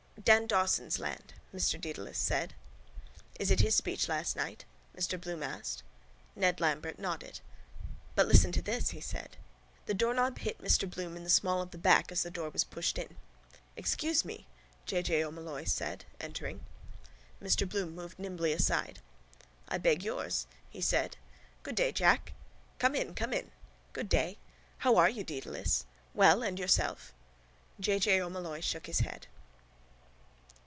—Dan Dawson's land Mr Dedalus said. —Is it his speech last night? Mr Bloom asked. Ned Lambert nodded. —But listen to this, he said. The doorknob hit Mr Bloom in the small of the back as the door was pushed in. —Excuse me, J. J. O'Molloy said, entering. Mr Bloom moved nimbly aside. —I beg yours, he said. —Good day, Jack. —Come in. Come in. —Good day. —How are you, Dedalus? —Well. And yourself? J. J. O'Molloy shook his head.